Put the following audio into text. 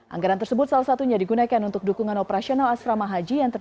anggaran yang dimaksud berjumlah rp tujuh satu miliar